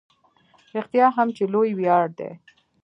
رښتیا هم چې لوی ویاړ دی.